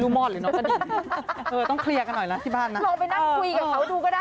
เอาอีกทีเอาอีกทีเอาอีกที